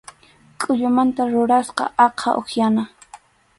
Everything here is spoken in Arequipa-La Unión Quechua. Kʼullumanta rurasqa aqha upyana.